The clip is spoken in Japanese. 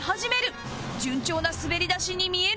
順調な滑り出しに見えるが